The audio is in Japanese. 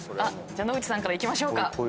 野口さんからいきましょうか。